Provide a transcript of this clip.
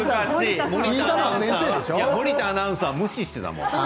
森田アナウンサーは無視していたもん。